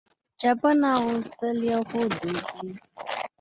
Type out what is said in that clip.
چپن اغوستل یو ښه دود دی.